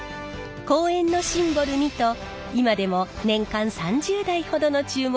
公園のシンボルにと今でも年間３０台ほどの注文があるそうです。